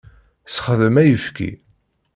Sexdem ayfki.